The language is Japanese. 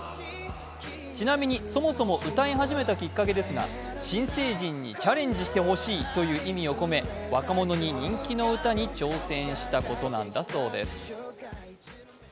ちなみに、そもそも歌い始めたきっかけですが新成人にチャレンジしてほしいという意味を込め若者に人気の歌に挑戦したことなんだそうです。